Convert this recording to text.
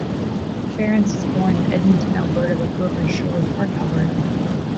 Ference was born in Edmonton, Alberta, but grew up in Sherwood Park, Alberta.